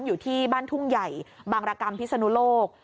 อยู่ที่บ้านทุ่งใหญ่บางรกรรมพิศนุโลก